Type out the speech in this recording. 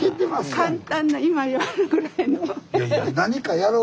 簡単な今やるぐらいの。